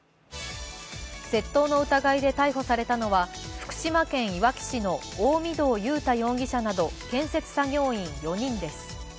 窃盗の疑いで逮捕されたのは福島県いわき市の大御堂雄太容疑者など建設作業員４人です。